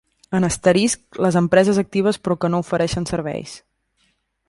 En asterisc, les empreses actives però que no ofereixen serveis.